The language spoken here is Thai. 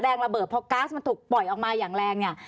ระเบิดพอก๊าซมันถูกปล่อยออกมาอย่างแรงเนี่ย